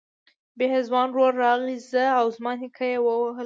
بيا يې ځوان ورور راغی زه او زما نيکه يې ووهلو.